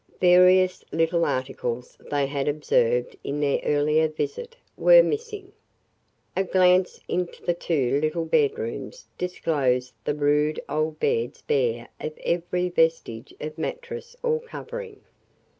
Various little articles they had observed in their earlier visit were missing. A glance into the two little bedrooms disclosed the rude old beds bare of every vestige of mattress or covering.